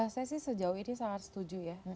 saya sih sejauh ini sangat setuju ya